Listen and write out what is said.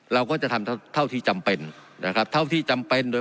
เราก็จะทำเท่าที่จำเป็นนะครับเท่าที่จำเป็นโดย